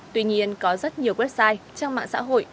tuy nhiên có rất nhiều website trang mạng xã hội